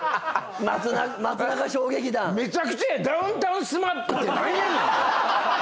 めちゃくちゃやダウンタウンＳＭＡＰって何やねん！